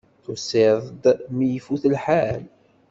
Tusiḍ-d mi ifut lḥal.